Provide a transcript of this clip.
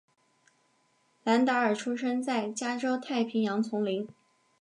兰达尔出生在加州太平洋丛林。